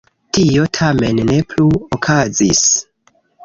Tio tamen ne plu okazis.